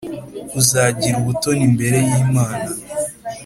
uzagira ubutoni imbere y’Imana